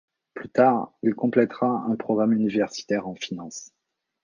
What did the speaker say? Plus tard, il complétera un programme universitaire en finance.